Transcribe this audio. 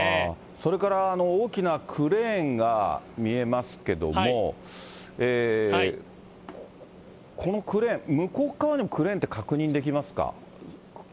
それから大きなクレーンが見えますけども、このクレーン、向こう側にもクレーンって確認できますか。